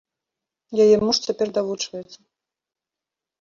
Яе муж цяпер давучваецца.